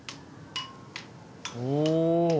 お！